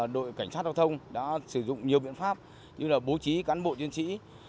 đội cảnh sát giao thông đã sử dụng nhiều biện pháp như bố trí cán bộ chuyên sĩ